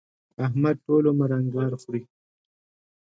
احمد ټول عمر انګار خوري.